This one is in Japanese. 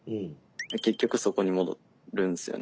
結局そこに戻るんですよね。